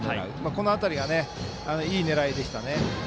この辺りがいい狙いでしたね。